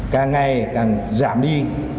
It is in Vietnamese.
càng ngày càng giảm đi